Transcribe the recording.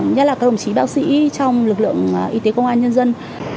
nhất là các đồng chí bác sĩ trong lực lượng y tế công an nhân dân